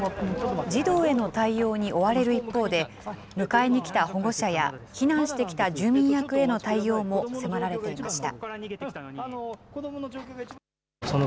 児童への対応に追われる一方で、迎えに来た保護者や避難してきた住民役への対応も迫られていました。